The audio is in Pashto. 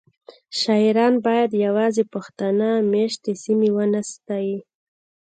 شاعران باید یوازې پښتانه میشتې سیمې ونه ستایي